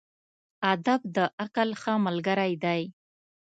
ادب د عقل ښه ملګری دی.